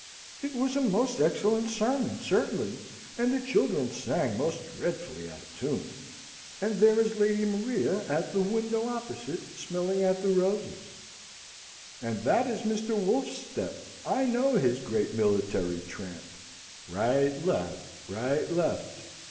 It was a most excellent sermon, certainly, and the children sang most dreadfully out of tune. And there is Lady Maria at the window opposite, smelling at the roses; and that is Mr. Wolfe's step, I know his great military tramp. Right left right left!